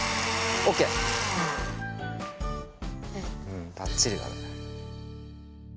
うんばっちりだね。